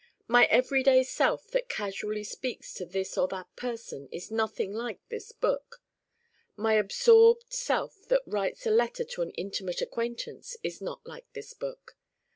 My everyday self that casually speaks to this or that person is nothing like this book. My absorbed self that writes a letter to an intimate acquaintance is not like this book.